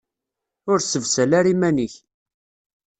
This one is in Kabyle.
Ur ssebsal ara iman-ik!